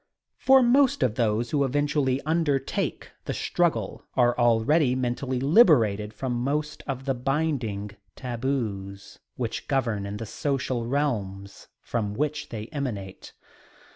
For most of those who eventually undertake the struggle are already mentally liberated from most of the binding taboos which govern in the social realms from which they emanate.